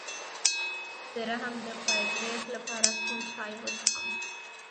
د رحم د فایبرویډ لپاره کوم چای وڅښم؟